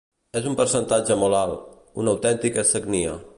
És un percentatge molt alt, una autèntica sagnia.